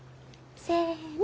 せの！